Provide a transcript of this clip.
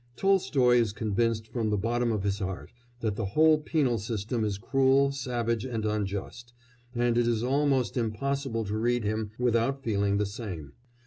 Tolstoy is convinced from the bottom of his heart that the whole penal system is cruel, savage, and unjust, and it is almost impossible to read him without feeling the same.